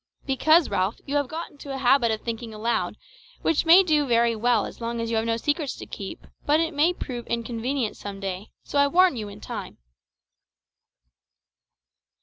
"Because, Ralph, you have got into a habit of thinking aloud, which may do very well as long as you have no secrets to keep but it may prove inconvenient some day, so I warn you in time."